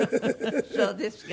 そうですか。